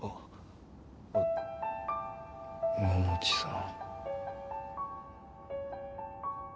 桃地さん。